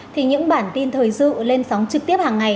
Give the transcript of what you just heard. thì những bản tin thời sự lên sóng trực tiếp hàng ngày